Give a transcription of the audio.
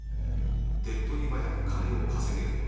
手っ取り早く金を稼げるもの